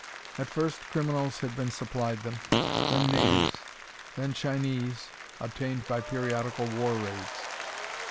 At first criminals had been supplied them, then natives, then Chinese, obtained by periodical war raids.